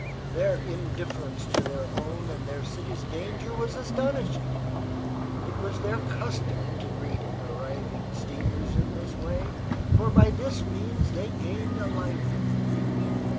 Their indifference to their own and their city's danger was astonishing. It was their custom to greet arriving steamers in this way, for by this means they gained a livelihood.